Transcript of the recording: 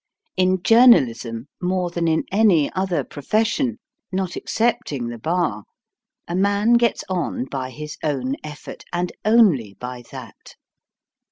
In journalism, more than in any other profession, not excepting the Bar, a man gets on by his own effort, and only by that.